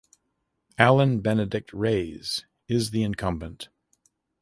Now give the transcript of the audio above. Allan Benedict Reyes is the incumbent.